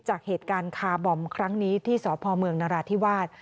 จากเหตุการณ์คาร์บอมครั้งนี้ที่สพเมืองนราธิวาส